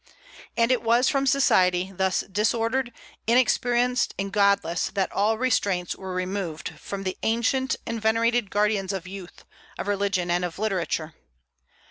And it was from society thus disordered, inexperienced, and godless that all restraints were removed from the ancient and venerated guardians of youth, of religion, and of literature.